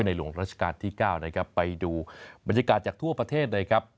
หลวงราชการที่๙นะครับไปดูบรรยากาศจากทั่วประเทศเลยครับ